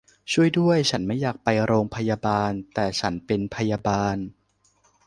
ช่วยด้วย ฉันไม่อยากไปโรงพยาบาล แต่ฉันเป็นพยาบาล